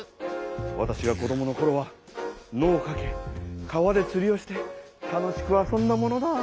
わたしが子どものころは野をかけ川でつりをして楽しく遊んだものだ。